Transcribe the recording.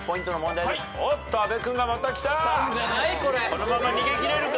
このまま逃げ切れるか？